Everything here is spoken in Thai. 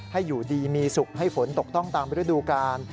ให้อยู่ดีมีสุขให้ฝนตกต้องตามฤดูกาล